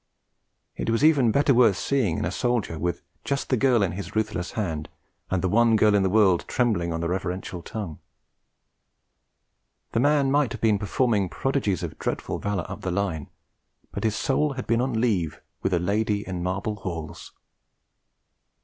It was even better worth seeing in a soldier with Just a Girl in his ruthless hand, and The One Girl in the World trembling on a reverential tongue. The man might have been performing prodigies of dreadful valour up the Line, but his soul had been on leave with a lady in marble halls.